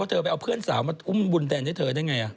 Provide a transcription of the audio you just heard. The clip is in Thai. เธอไปเอาเพื่อนสาวมาอุ้มบุญแทนให้เธอได้ไง